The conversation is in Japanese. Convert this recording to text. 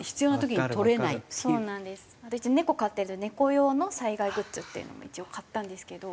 うちネコ飼ってるのでネコ用の災害グッズっていうのも一応買ったんですけど。